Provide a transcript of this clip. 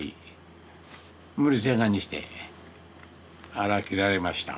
あら切られました。